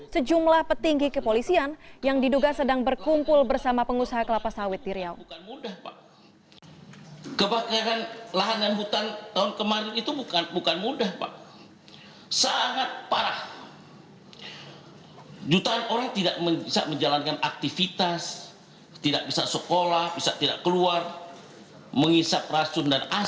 sejumlah petinggi kepolisian yang diduga sedang berkumpul bersama pengusaha kelapa sawit di riau